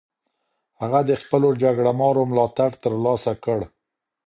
هغه د خپلو جګړه مارو ملاتړ ترلاسه کړ.